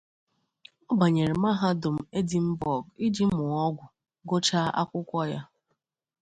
Ọ banyere Mahadum Edinburgh iji mụọ ọgwụ, gụchaa akwụkwọ ya.